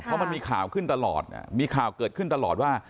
เพราะมันมีข่าวขึ้นตลอดมีข่าวเกิดขึ้นตลอดว่า